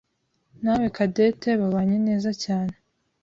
nawe Cadette babanye neza cyane.